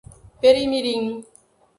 Peri Mirim